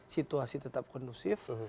situasi tetap kondusif